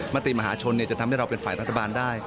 มติมหาชนจะทำให้เราเป็นฝ่ายรัฐบาลได้